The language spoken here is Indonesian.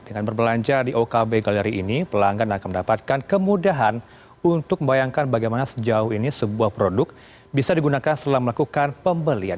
dengan berbelanja di okb galeri ini pelanggan akan mendapatkan kemudahan untuk membayangkan bagaimana sejauh ini sebuah produk bisa digunakan setelah melakukan pembelian